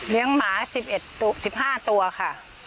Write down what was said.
เลี้ยงหมา๑๕ตัวค่ะ